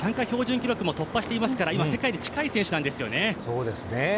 標準記録も突破していますから今、世界に近い選手なんですよね。